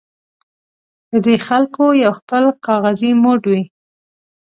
د دې خلکو یو خپل کاغذي موډ وي.